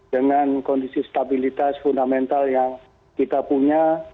dengan kondisi stabilitas fundamental yang kita punya